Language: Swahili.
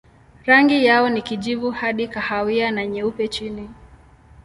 Rangi yao ni kijivu hadi kahawia na nyeupe chini.